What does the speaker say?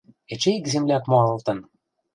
— Эче ик земляк моалтын!